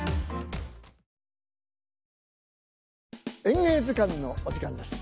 「演芸図鑑」のお時間です。